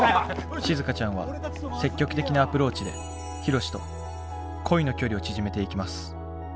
しずかちゃんは積極的なアプローチでヒロシと恋の距離を縮めていきます。